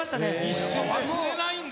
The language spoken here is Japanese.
一瞬で、忘れないんだ。